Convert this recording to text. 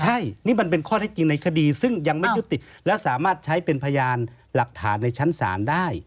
ใช่นี่มันเป็นข้อเท็จจริงในคดีซึ่งยังไม่ยุติและสามารถใช้เป็นพยานหลักฐานในชั้นศาลได้